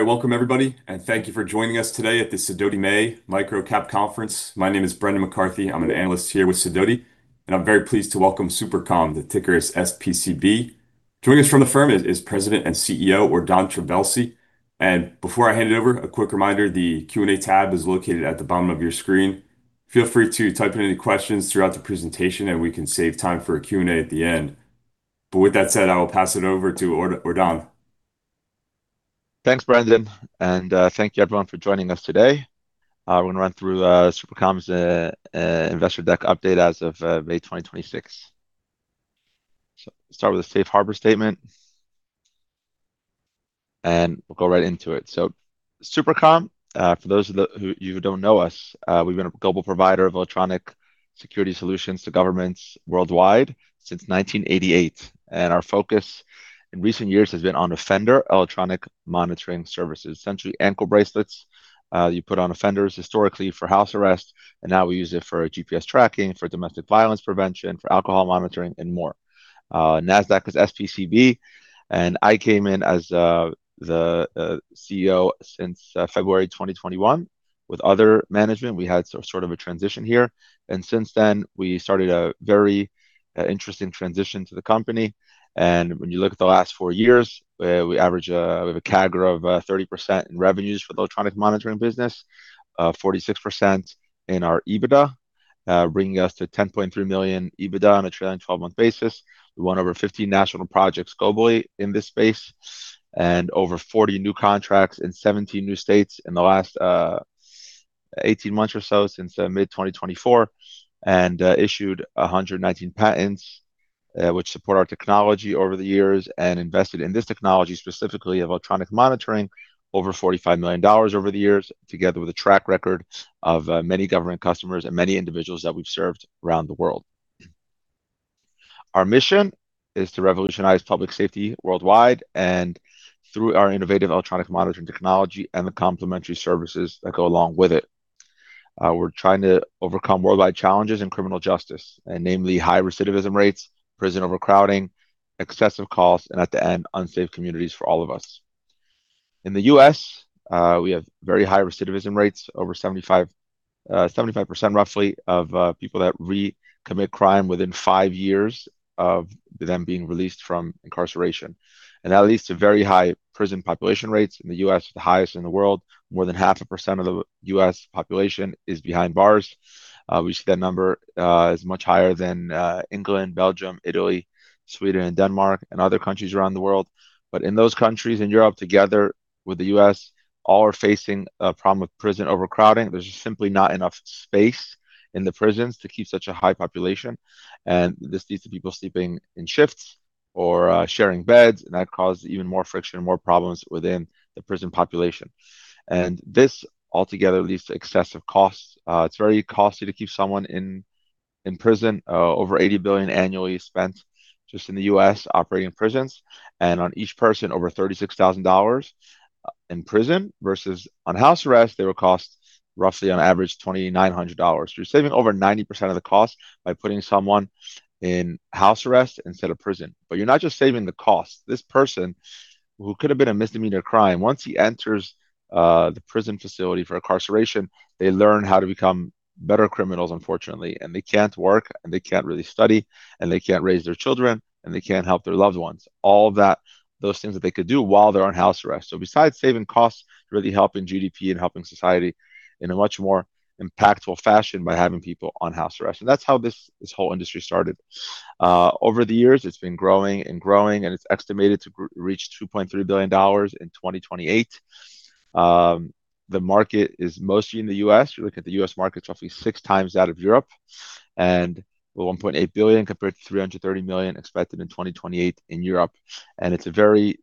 All right. Welcome everybody, and thank you for joining us today at the Sidoti May MicroCap Conference. My name is Brendan McCarthy. I'm an analyst here with Sidoti, and I'm very pleased to welcome SuperCom, the ticker is SPCB. Joining us from the firm is President and CEO, Ordan Trabelsi. Before I hand it over, a quick reminder, the Q&A tab is located at the bottom of your screen. Feel free to type in any questions throughout the presentation, we can save time for a Q&A at the end. With that said, I will pass it over to Ordan. Thanks, Brendan. Thank you everyone for joining us today. I'm going to run through SuperCom's investor deck update as of May 2026. Start with a Safe Harbor statement, and we'll go right into it. SuperCom, for those of you who don't know us, we've been a global provider of electronic security solutions to governments worldwide since 1988. Our focus in recent years has been on offender electronic monitoring services. Essentially ankle bracelets you put on offenders historically for house arrest, and now we use it for GPS tracking, for domestic violence prevention, for alcohol monitoring and more. Our Nasdaq is SPCB. I came in as the CEO since February 2021 with other management. We had sort of a transition here. Since then, we started a very interesting transition to the company. When you look at the last four years, we have a CAGR of 30% in revenues for the electronic monitoring business, 46% in our EBITDA, bringing us to $10.3 million EBITDA on a trailing 12-month basis. We won over 15 national projects globally in this space and over 40 new contracts in 17 new states in the last 18 months or so since mid-2024. Issued 119 patents, which support our technology over the years, and invested in this technology specifically of electronic monitoring over $45 million over the years, together with a track record of many government customers and many individuals that we've served around the world. Our mission is to revolutionize public safety worldwide and through our innovative electronic monitoring technology and the complementary services that go along with it. We're trying to overcome worldwide challenges in criminal justice, namely high recidivism rates, prison overcrowding, excessive costs, and at the end, unsafe communities for all of us. In the U.S., we have very high recidivism rates, over 75%, roughly, of people that re-commit crime within five years of them being released from incarceration. That leads to very high prison population rates in the U.S., the highest in the world. More than 0.5% of the U.S. population is behind bars. We see that number is much higher than England, Belgium, Italy, Sweden, and Denmark, and other countries around the world. In those countries in Europe, together with the U.S., all are facing a problem with prison overcrowding. There's simply not enough space in the prisons to keep such a high population. This leads to people sleeping in shifts or sharing beds, and that cause even more friction and more problems within the prison population. This altogether leads to excessive costs. It's very costly to keep someone in prison. Over $80 billion annually is spent just in the U.S. operating prisons, and on each person, over $36,000 in prison versus on house arrest, they would cost roughly on average $2,900. You're saving over 90% of the cost by putting someone in house arrest instead of prison. You're not just saving the cost. This person who could have been a misdemeanor crime, once he enters the prison facility for incarceration, they learn how to become better criminals, unfortunately. They can't work, they can't really study, they can't raise their children, they can't help their loved ones. All of those things that they could do while they're on house arrest. Besides saving costs, really helping GDP and helping society in a much more impactful fashion by having people on house arrest. That's how this whole industry started. Over the years, it's been growing and growing, and it's estimated to reach $2.3 billion in 2028. The market is mostly in the U.S. You look at the U.S. market is roughly 6x that of Europe, and $1.8 billion compared to $330 million expected in 2028 in Europe. It's a very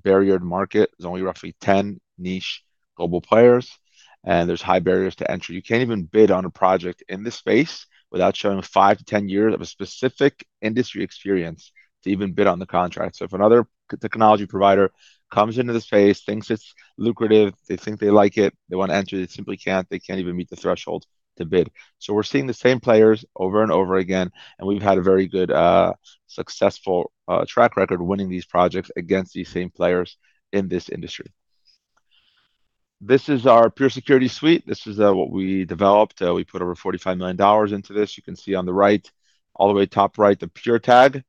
barriered market. There's only roughly 10 niche global players, and there's high barriers to entry. You can't even bid on a project in this space without showing 5-10 years of a specific industry experience to even bid on the contract. If another technology provider comes into the space, thinks it's lucrative, they think they like it, they want to enter it, they simply can't. They can't even meet the threshold to bid. We're seeing the same players over and over again, and we've had a very good successful track record winning these projects against these same players in this industry. This is our PureSecurity Suite. This is what we developed. We put over $45 million into this. You can see on the right, all the way top right, the PureTag,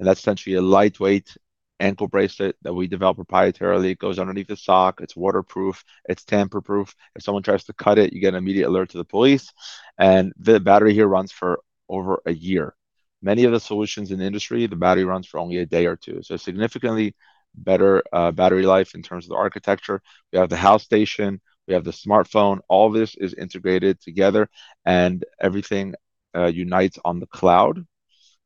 and that's essentially a lightweight ankle bracelet that we develop proprietarily. It goes underneath the sock. It's waterproof. It's tamper-proof. If someone tries to cut it, you get an immediate alert to the police. The battery here runs for over a year. Many of the solutions in the industry, the battery runs for only a day or two, so significantly better battery life in terms of the architecture. We have the house station. We have the smartphone. All this is integrated together and everything unites on the cloud.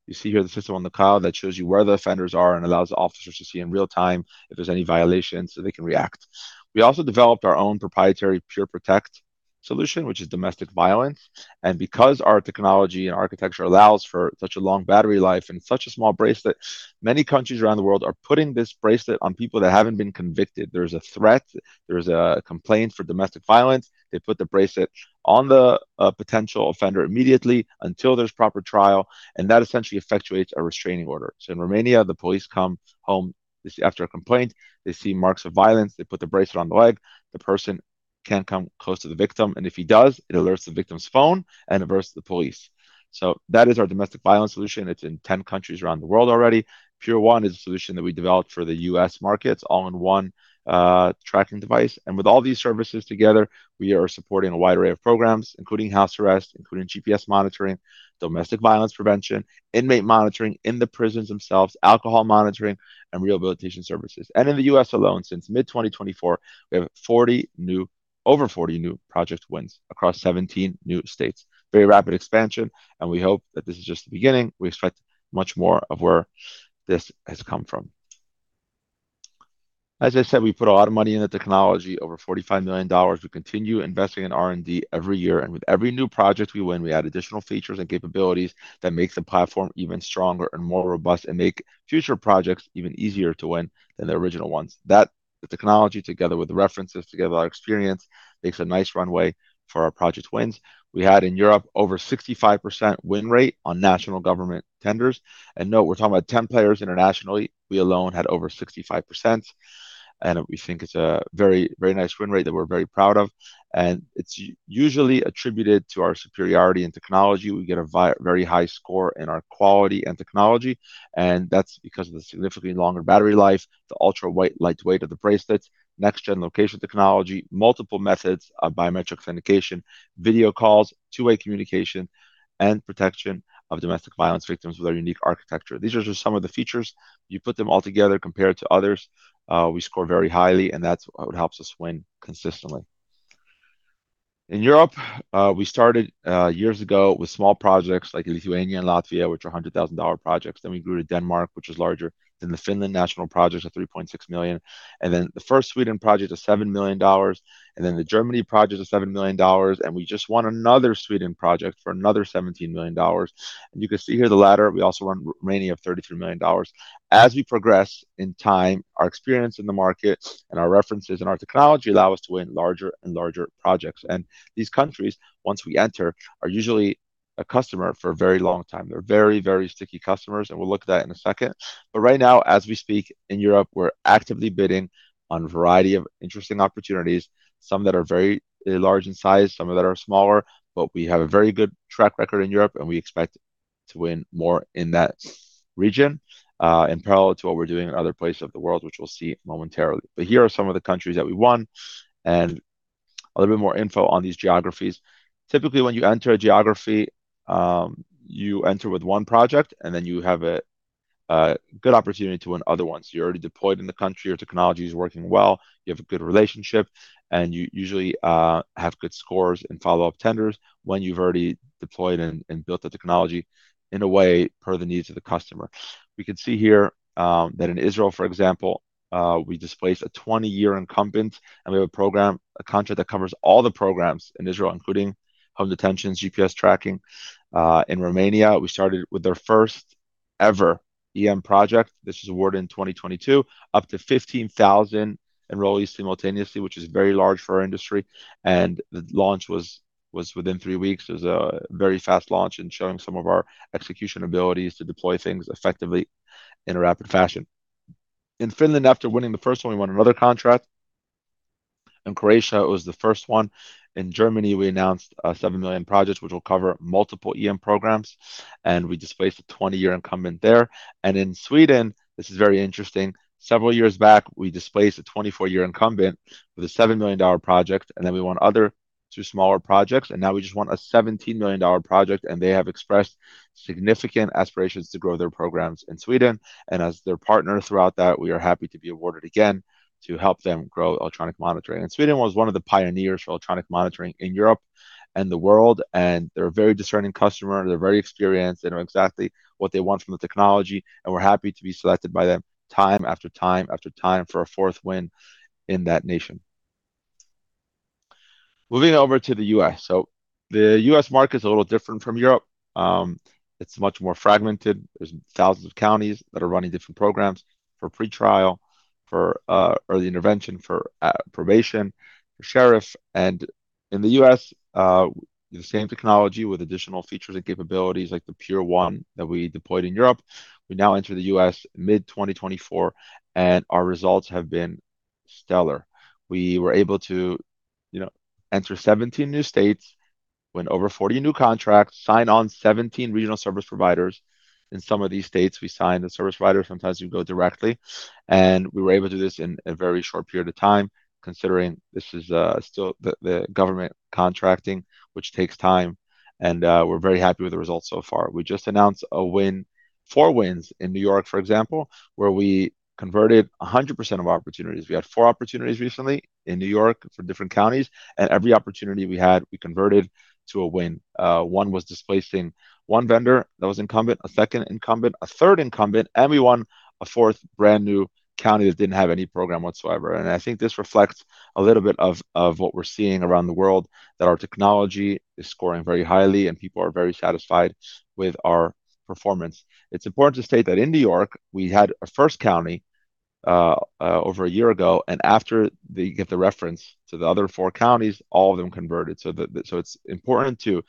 You see here the system on the cloud that shows you where the offenders are and allows the officers to see in real time if there's any violations, so they can react. We also developed our own proprietary PureProtect solution, which is domestic violence. Because our technology and architecture allows for such a long battery life and such a small bracelet, many countries around the world are putting this bracelet on people that haven't been convicted. There's a threat. There's a complaint for domestic violence. They put the bracelet on the potential offender immediately until there's proper trial, and that essentially effectuates a restraining order. In Romania, the police come home, after a complaint, they see marks of violence. They put the bracelet on the leg. The person can't come close to the victim, and if he does, it alerts the victim's phone and alerts the police. That is our domestic violence solution. It's in 10 countries around the world already. PureOne is a solution that we developed for the U.S. market. It's all-in-one tracking device. With all these services together, we are supporting a wide array of programs, including house arrest, including GPS monitoring, domestic violence prevention, inmate monitoring in the prisons themselves, alcohol monitoring, and rehabilitation services. In the U.S. alone, since mid-2024, we have over 40 new project wins across 17 new states. Very rapid expansion, and we hope that this is just the beginning. We expect much more of where this has come from. As I said, we put a lot of money in the technology, over $45 million. We continue investing in R&D every year, and with every new project we win, we add additional features and capabilities that makes the platform even stronger and more robust and make future projects even easier to win than the original ones. That technology, together with the references, together with our experience, makes a nice runway for our project wins. We had in Europe over 65% win rate on national government tenders. Note, we're talking about 10 players internationally. We alone had over 65%, and we think it's a very nice win rate that we're very proud of. It's usually attributed to our superiority in technology. We get a very high score in our quality and technology. That's because of the significantly longer battery life, the ultra lightweight of the bracelets, next-gen location technology, multiple methods of biometric authentication, video calls, two-way communication, and protection of domestic violence victims with our unique architecture. These are just some of the features. You put them all together, compare it to others, we score very highly. That's what helps us win consistently. In Europe, we started years ago with small projects like Lithuania and Latvia, which are $100,000 projects. We grew to Denmark, which is larger. The Finland national project of $3.6 million. The first Sweden project of $7 million. The Germany project of $7 million. We just won another Sweden project for another $17 million. You can see here the latter, we also won Romania of $33 million. As we progress in time, our experience in the market and our references and our technology allow us to win larger and larger projects. These countries, once we enter, are usually a customer for a very long time. They're very sticky customers, and we'll look at that in a second. Right now, as we speak in Europe, we're actively bidding on a variety of interesting opportunities, some that are very large in size, some that are smaller, but we have a very good track record in Europe, and we expect to win more in that region, in parallel to what we're doing in other places of the world, which we'll see momentarily. Here are some of the countries that we won, and a little bit more info on these geographies. Typically, when you enter a geography, you enter with one project, and then you have a good opportunity to win other ones. You're already deployed in the country, your technology is working well, you have a good relationship, and you usually have good scores and follow-up tenders when you've already deployed and built the technology in a way per the needs of the customer. We can see here that in Israel, for example, we displaced a 20-year incumbent, and we have a contract that covers all the programs in Israel, including home detentions, GPS tracking. In Romania, we started with their first ever EM project. This was awarded in 2022. Up to 15,000 enrollees simultaneously, which is very large for our industry. The launch was within three weeks. It was a very fast launch and showing some of our execution abilities to deploy things effectively in a rapid fashion. In Finland, after winning the first one, we won another contract. In Croatia, it was the first one. In Germany, we announced a $7 million project which will cover multiple EM programs, and we displaced a 20-year incumbent there. In Sweden, this is very interesting. Several years back, we displaced a 24-year incumbent with a $7 million project, and then we won other two smaller projects, and now we just won a $17 million project, and they have expressed significant aspirations to grow their programs in Sweden. As their partner throughout that, we are happy to be awarded again to help them grow electronic monitoring. Sweden was one of the pioneers for electronic monitoring in Europe and the world, and they're a very discerning customer. They're very experienced. They know exactly what they want from the technology, and we're happy to be selected by them time after time for a fourth win in that nation. Moving over to the U.S. The U.S. market is a little different from Europe. It's much more fragmented. There's thousands of counties that are running different programs for pre-trial, for early intervention, for probation, for sheriff. In the U.S., the same technology with additional features and capabilities like the PureOne that we deployed in Europe, we now enter the U.S. mid-2024, and our results have been stellar. We were able to enter 17 new states, win over 40 new contracts, sign on 17 regional service providers. In some of these states, we sign the service provider. Sometimes we go directly. We were able to do this in a very short period of time, considering this is still the government contracting, which takes time, and we're very happy with the results so far. We just announced four wins in New York, for example, where we converted 100% of opportunities. We had four opportunities recently in New York for different counties, and every opportunity we had, we converted to a win. One was displacing one vendor that was incumbent, a second incumbent, a third incumbent, and we won a fourth brand new county that didn't have any program whatsoever. I think this reflects a little bit of what we're seeing around the world, that our technology is scoring very highly and people are very satisfied with our performance. It's important to state that in New York, we had a first county over a year ago, and after they give the reference to the other four counties, all of them converted. It's important to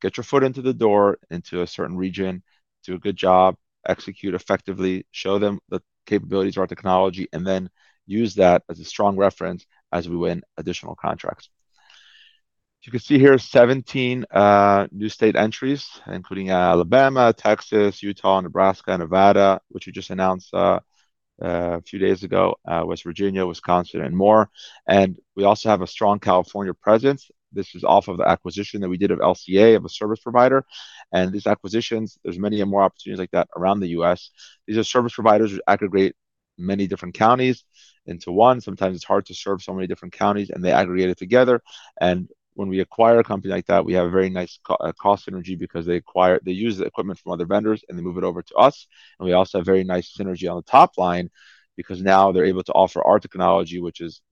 get your foot into the door into a certain region, do a good job, execute effectively, show them the capabilities of our technology, and then use that as a strong reference as we win additional contracts. You can see here 17 new state entries, including Alabama, Texas, Utah, Nebraska, and Nevada, which we just announced a few days ago, West Virginia, Wisconsin, and more. We also have a strong California presence. This is off of the acquisition that we did of LCA, of a service provider. These acquisitions, there's many more opportunities like that around the U.S. These are service providers which aggregate many different counties into one. Sometimes it's hard to serve so many different counties, and they aggregate it together. When we acquire a company like that, we have a very nice cost synergy because they use the equipment from other vendors and they move it over to us. We also have very nice synergy on the top line because now they're able to offer our technology, which is,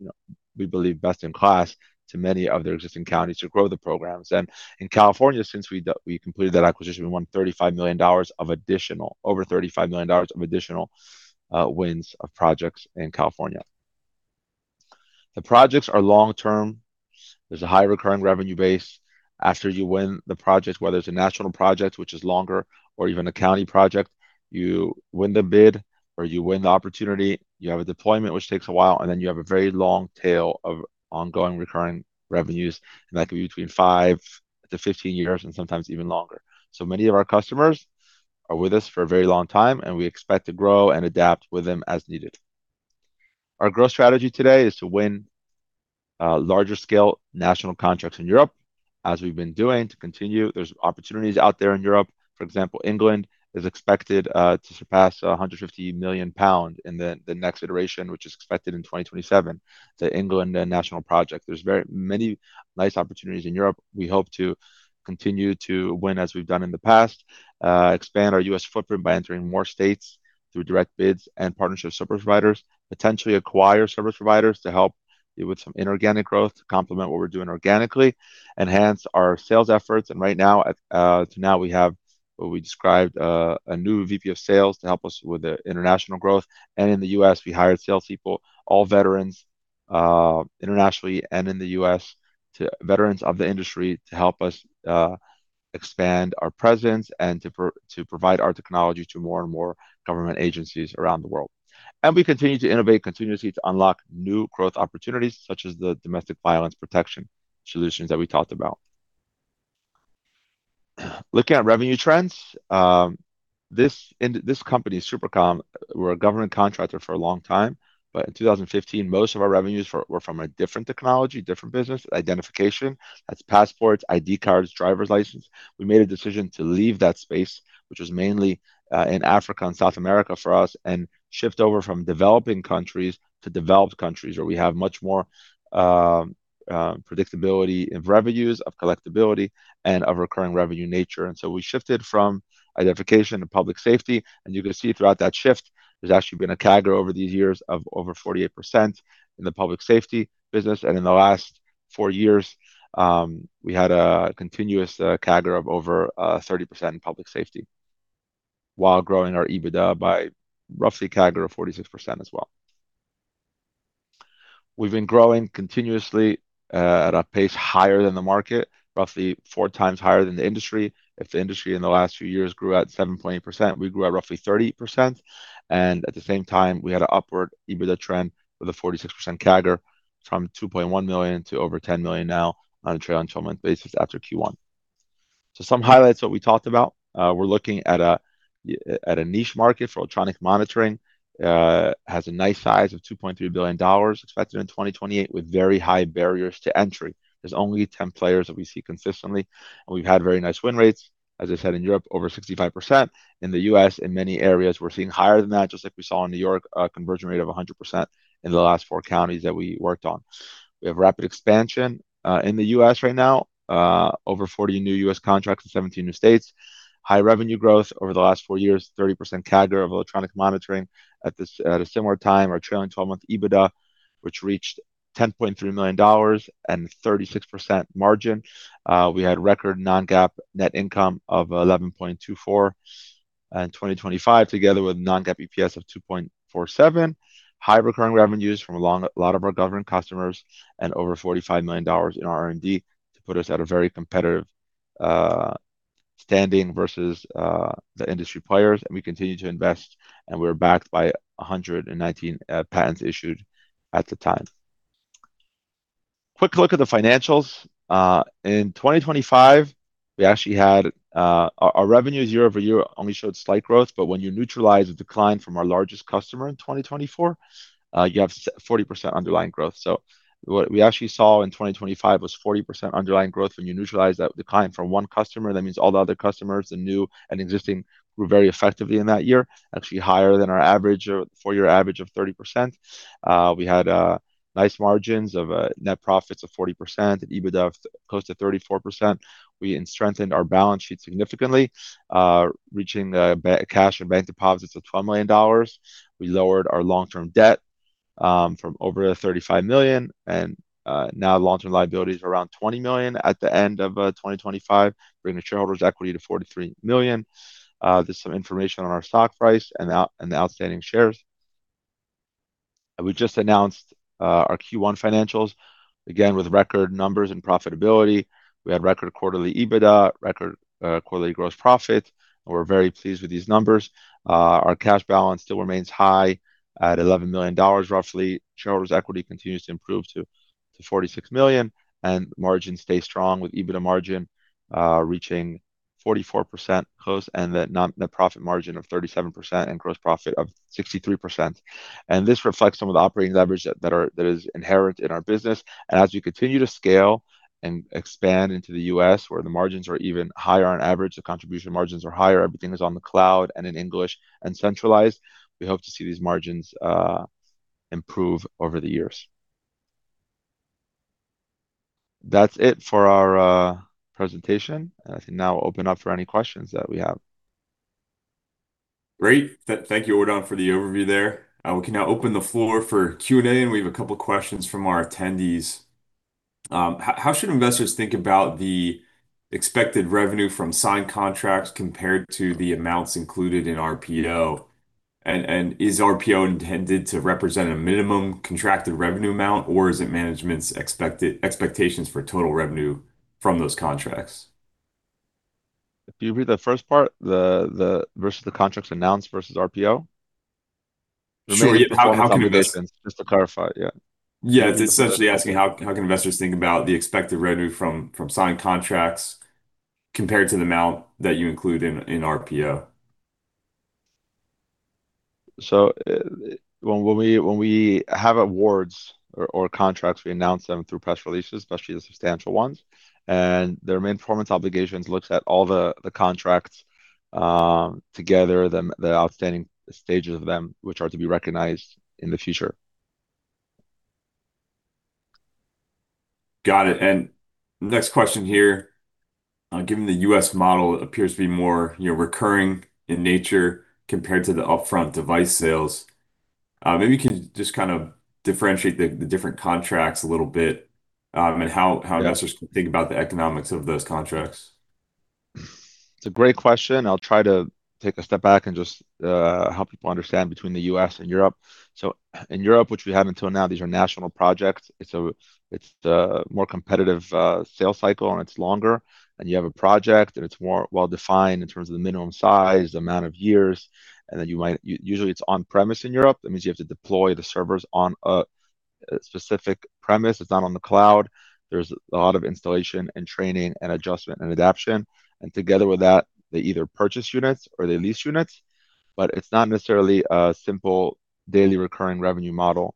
we believe, best in class to many of their existing counties to grow the programs. In California, since we completed that acquisition, we won over $35 million of additional wins of projects in California. The projects are long-term. There's a high recurring revenue base. After you win the project, whether it's a national project, which is longer, or even a county project, you win the bid or you win the opportunity, you have a deployment, which takes a while, and then you have a very long tail of ongoing recurring revenues, and that can be between 5-15 years and sometimes even longer. Many of our customers are with us for a very long time, and we expect to grow and adapt with them as needed. Our growth strategy today is to win larger scale national contracts in Europe, as we've been doing, to continue. There's opportunities out there in Europe. For example, England is expected to surpass 150 million pound in the next iteration, which is expected in 2027, the England national project. There's very many nice opportunities in Europe. We hope to continue to win as we've done in the past, expand our U.S. footprint by entering more states through direct bids and partnership service providers, potentially acquire service providers to help with some inorganic growth to complement what we're doing organically, enhance our sales efforts. Right now, we have what we described, a new VP of Sales to help us with the international growth. In the U.S., we hired salespeople, all veterans, internationally and in the U.S., veterans of the industry to help us expand our presence and to provide our technology to more and more government agencies around the world. We continue to innovate continuously to unlock new growth opportunities, such as the domestic violence protection solutions that we talked about. Looking at revenue trends, this company, SuperCom, we're a government contractor for a long time, but in 2015, most of our revenues were from a different technology, different business, identification. That's passports, ID cards, driver's license. We made a decision to leave that space, which was mainly in Africa and South America for us, and shift over from developing countries to developed countries, where we have much more predictability of revenues, of collectibility, and of recurring revenue nature. We shifted from identification to public safety. You can see throughout that shift, there's actually been a CAGR over these years of over 48% in the public safety business. In the last four years, we had a continuous CAGR of over 30% in public safety while growing our EBITDA by roughly CAGR of 46% as well. We've been growing continuously at a pace higher than the market, roughly 4x higher than the industry. If the industry in the last few years grew at 7.8%, we grew at roughly 30%. At the same time, we had an upward EBITDA trend with a 46% CAGR from $2.1 million to over $10 million now on a trailing 12-month basis after Q1. Some highlights of what we talked about. We're looking at a niche market for electronic monitoring. Has a nice size of $2.3 billion expected in 2028 with very high barriers to entry. There's only 10 players that we see consistently, and we've had very nice win rates. As I said, in Europe, over 65%. In the U.S., in many areas, we're seeing higher than that, just like we saw in New York, a conversion rate of 100% in the last four counties that we worked on. We have rapid expansion. In the U.S. right now, over 40 new U.S. contracts in 17 new states. High revenue growth over the last four years, 30% CAGR of electronic monitoring. At a similar time, our trailing 12-month EBITDA, which reached $10.3 million and 36% margin. We had record non-GAAP net income of $11.24 in 2025, together with non-GAAP EPS of $2.47. High recurring revenues from a lot of our government customers and over $45 million in R&D to put us at a very competitive standing versus the industry players. We continue to invest, and we're backed by 119 patents issued at the time. Quick look at the financials. In 2025, we actually had our revenues year-over-year only showed slight growth. When you neutralize the decline from our largest customer in 2024, you have 40% underlying growth. What we actually saw in 2025 was 40% underlying growth. When you neutralize that decline from one customer, that means all the other customers, the new and existing, grew very effectively in that year, actually higher than our four-year average of 30%. We had nice margins of net profits of 40% and EBITDA of close to 34%. We strengthened our balance sheet significantly, reaching the cash and bank deposits of $12 million. We lowered our long-term debt from over $35 million and now long-term liability is around $20 million at the end of 2025, bringing the shareholders' equity to $43 million. There's some information on our stock price and the outstanding shares. We just announced our Q1 financials, again, with record numbers and profitability. We had record quarterly EBITDA, record quarterly gross profit, and we're very pleased with these numbers. Our cash balance still remains high at $11 million, roughly. Shareholder's equity continues to improve to $46 million, and margins stay strong with EBITDA margin reaching 44% close, and the net profit margin of 37% and gross profit of 63%. This reflects some of the operating leverage that is inherent in our business. As we continue to scale and expand into the U.S., where the margins are even higher on average, the contribution margins are higher, everything is on the cloud and in English and centralized, we hope to see these margins improve over the years. That's it for our presentation. I can now open up for any questions that we have. Great. Thank you, Ordan, for the overview there. We can now open the floor for Q&A, and we have a couple questions from our attendees. How should investors think about the expected revenue from signed contracts compared to the amounts included in RPO? Is RPO intended to represent a minimum contracted revenue amount, or is it management's expectations for total revenue from those contracts? Can you read the first part, versus the contracts announced versus RPO? Sure, yeah. The main performance obligations, just to clarify, yeah. Yeah. It's essentially asking how can investors think about the expected revenue from signed contracts compared to the amount that you include in RPO. When we have awards or contracts, we announce them through press releases, especially the substantial ones, and their main performance obligations look at all the contracts, together, the outstanding stages of them, which are to be recognized in the future. Got it. The next question here, given the U.S. model appears to be more recurring in nature compared to the upfront device sales, maybe you can just differentiate the different contracts a little bit, and how investors can think about the economics of those contracts. It's a great question. I'll try to take a step back and just help people understand between the U.S. and Europe. In Europe, which we had until now, these are national projects. It's more competitive sale cycle, and it's longer, and you have a project, and it's more well-defined in terms of the minimum size, the amount of years, and then usually it's on-premise in Europe. That means you have to deploy the servers on a specific premise. It's not on the cloud. There's a lot of installation and training and adjustment and adaption. Together with that, they either purchase units or they lease units, but it's not necessarily a simple daily recurring revenue model.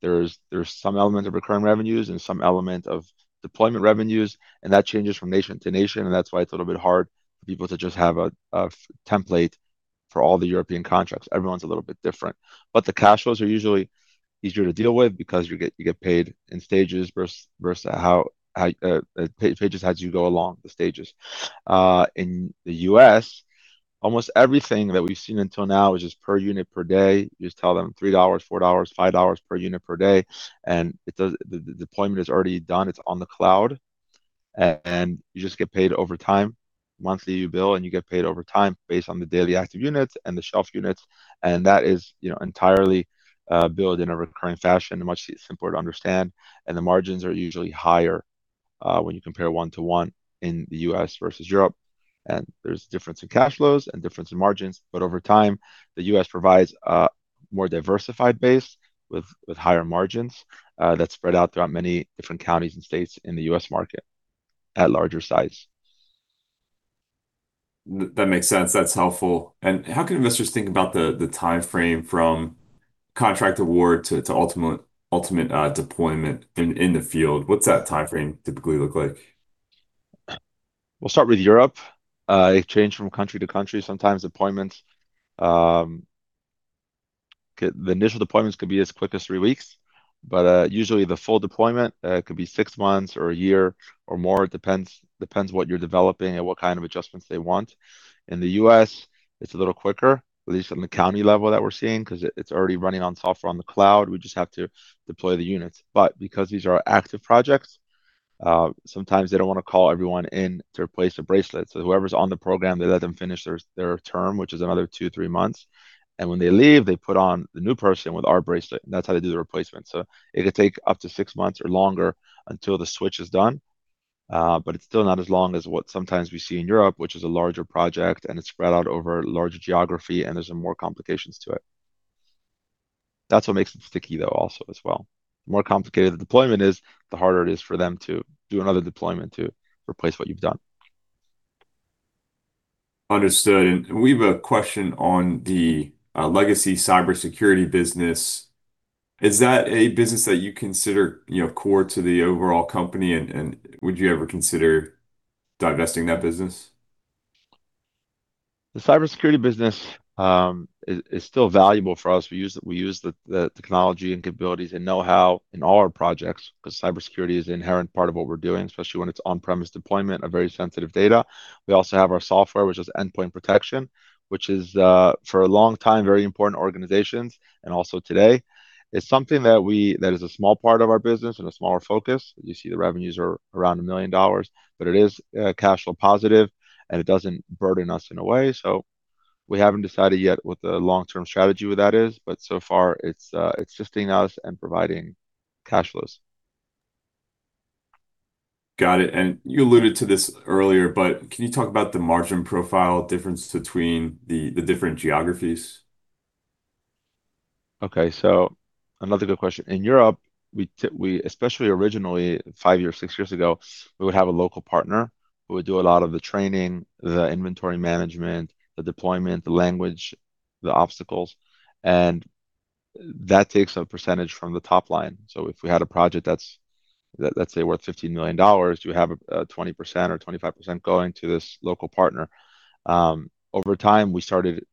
There's some element of recurring revenues and some element of deployment revenues, and that changes from nation to nation, and that's why it's a little bit hard for people to just have a template for all the European contracts. Everyone's a little bit different. The cash flows are usually easier to deal with because you get paid in stages as you go along the stages. In the U.S., almost everything that we've seen until now is just per unit per day. You just tell them $3, $4, $5 per unit per day, and the deployment is already done. It's on the cloud. You just get paid over time. Monthly, you bill, and you get paid over time based on the daily active units and the shelf units, and that is entirely billed in a recurring fashion and much simpler to understand. The margins are usually higher, when you compare 1:1 in the U.S. versus Europe. There's difference in cash flows and difference in margins, but over time, the U.S. provides a more diversified base with higher margins, that spread out throughout many different counties and states in the U.S. market at larger size. That makes sense. That's helpful. How can investors think about the timeframe from contract award to ultimate deployment in the field? What's that timeframe typically look like? We'll start with Europe. It change from country to country. Sometimes deployments, the initial deployments could be as quick as three weeks, but usually the full deployment could be six months or a year or more. It depends what you're developing and what kind of adjustments they want. In the U.S., it's a little quicker, at least on the county level that we're seeing, because it's already running on software on the cloud. We just have to deploy the units. Because these are active projects, sometimes they don't want to call everyone in to replace a bracelet. Whoever's on the program, they let them finish their term, which is another two to three months. When they leave, they put on the new person with our bracelet, and that's how they do the replacement. It could take up to six months or longer until the switch is done, but it's still not as long as what sometimes we see in Europe, which is a larger project, and it's spread out over a larger geography, and there's some more complications to it. That's what makes it sticky, though, also as well. The more complicated the deployment is, the harder it is for them to do another deployment to replace what you've done. Understood. We have a question on the legacy cybersecurity business. Is that a business that you consider core to the overall company, and would you ever consider divesting that business? The cybersecurity business is still valuable for us. We use the technology and capabilities and know-how in all our projects because cybersecurity is an inherent part of what we're doing, especially when it's on-premise deployment of very sensitive data. We also have our software, which is endpoint protection, which is, for a long time, very important to organizations, and also today. It's something that is a small part of our business and a smaller focus. You see the revenues are around a million dollars, but it is cash flow positive, and it doesn't burden us in a way. We haven't decided yet what the long-term strategy with that is, but so far it's assisting us and providing cash flows. Got it. You alluded to this earlier, but can you talk about the margin profile difference between the different geographies? Okay, another good question. In Europe, especially originally, five years, six years ago, we would have a local partner who would do a lot of the training, the inventory management, the deployment, the language, the obstacles, and that takes a percentage from the top line. If we had a project that's, let's say, worth $15 million, we have 20% or 25% going to this local partner. Over time, we started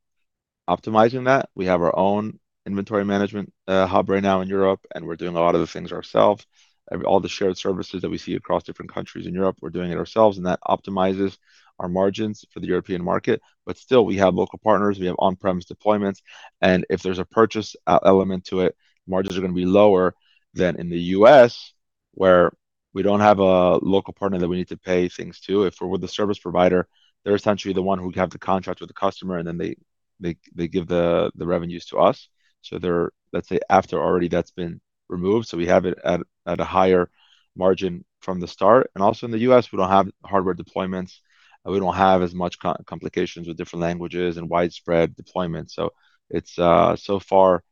optimizing that. We have our own inventory management hub right now in Europe, and we're doing a lot of the things ourselves. All the shared services that we see across different countries in Europe, we're doing it ourselves, and that optimizes our margins for the European market. Still, we have local partners, we have on-premise deployments, and if there's a purchase element to it, margins are going to be lower than in the U.S. where we don't have a local partner that we need to pay things to. If we're with the service provider, they're essentially the one who have the contract with the customer, and then they give the revenues to us. They're, let's say, after already that's been removed. We have it at a higher margin from the start. Also in the U.S., we don't have hardware deployments and we don't have as much complications with different languages and widespread deployment. It's so far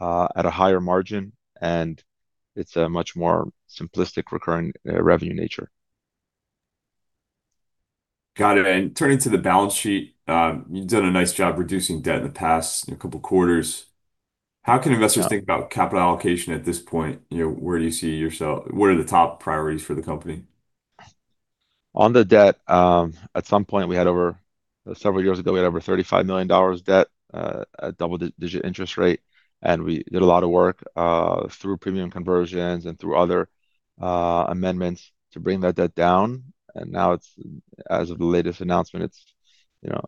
at a higher margin and it's a much more simplistic recurring revenue nature. Got it. Turning to the balance sheet. You've done a nice job reducing debt in the past couple quarters. How can investors think about capital allocation at this point? Where do you see yourself? What are the top priorities for the company? On the debt, at some point, several years ago, we had over $35 million debt at double-digit interest rate, and we did a lot of work through premium conversions and through other amendments to bring that debt down. Now, as of the latest announcement, it's a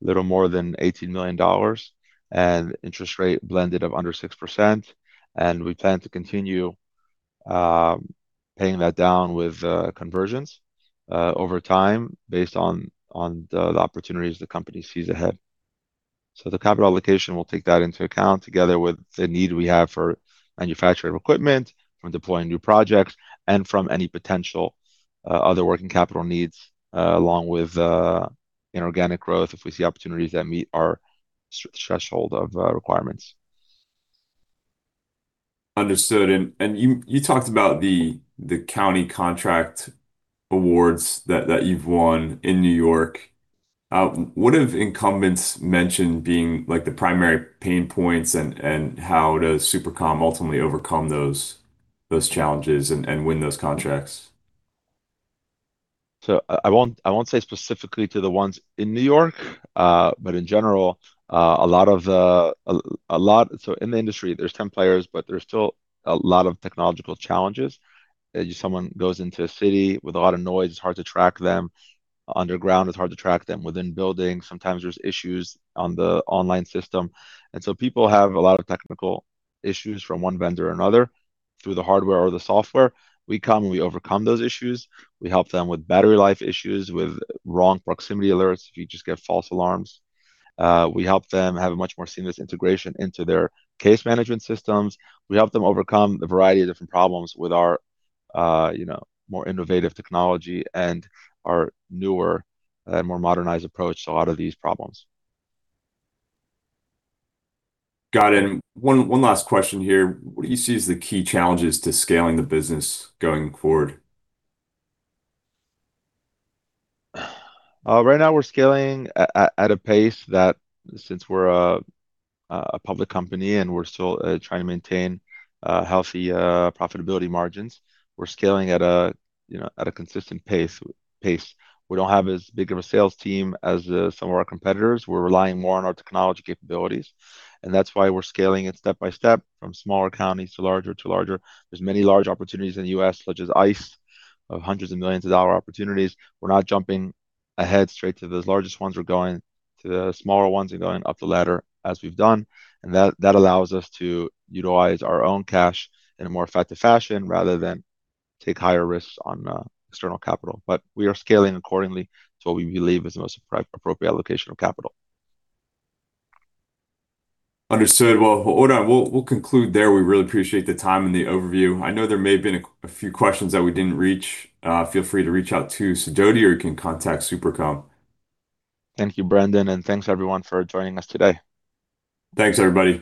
little more than $18 million, and interest rate blended of under 6%. We plan to continue paying that down with conversions over time based on the opportunities the company sees ahead. The capital allocation will take that into account together with the need we have for manufacture of equipment, from deploying new projects, and from any potential other working capital needs, along with inorganic growth, if we see opportunities that meet our threshold of requirements. Understood. You talked about the county contract awards that you've won in New York. What have incumbents mentioned being the primary pain points, and how does SuperCom ultimately overcome those challenges and win those contracts? I won't say specifically to the ones in New York. In general, in the industry there's 10 players, but there's still a lot of technological challenges. If someone goes into a city with a lot of noise, it's hard to track them. Underground, it's hard to track them. Within buildings, sometimes there's issues on the online system, people have a lot of technical issues from one vendor or another through the hardware or the software. We come, and we overcome those issues. We help them with battery life issues, with wrong proximity alerts, if you just get false alarms. We help them have a much more seamless integration into their case management systems. We help them overcome the variety of different problems with our more innovative technology and our newer and more modernized approach to a lot of these problems. Got it. One last question here. What do you see as the key challenges to scaling the business going forward? Right now, we're scaling at a pace that since we're a public company and we're still trying to maintain healthy profitability margins, we're scaling at a consistent pace. We don't have as big of a sales team as some of our competitors. We're relying more on our technology capabilities. That's why we're scaling it step by step from smaller counties to larger. There's many large opportunities in the U.S., such as ICE, of hundreds of millions of dollar opportunities. We're not jumping ahead straight to the largest ones. We're going to the smaller ones, going up the ladder as we've done. That allows us to utilize our own cash in a more effective fashion rather than take higher risks on external capital. We are scaling accordingly to what we believe is the most appropriate allocation of capital. Understood. Well, Ordan, we'll conclude there. We really appreciate the time and the overview. I know there may have been a few questions that we didn't reach. Feel free to reach out to Sidoti or you can contact SuperCom. Thank you, Brendan. Thanks everyone for joining us today. Thanks, everybody.